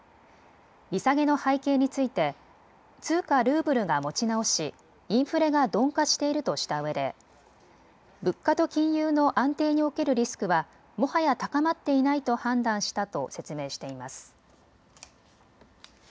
利下げの背景について通貨ルーブルが持ち直しインフレが鈍化しているとしたうえで物価と金融の安定におけるリスクはもはや高まっていないと判断したと説明しています。